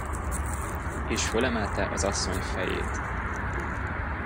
És fölemelte az asszony fejét.